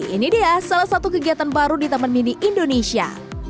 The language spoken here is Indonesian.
ini dia salah satu kegiatan baru di taman mini indonesia